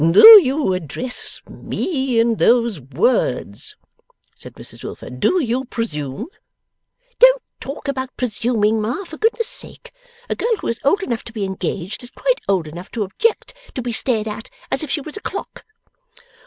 'Do you address Me in those words?' said Mrs Wilfer. 'Do you presume?' 'Don't talk about presuming, Ma, for goodness' sake. A girl who is old enough to be engaged, is quite old enough to object to be stared at as if she was a Clock.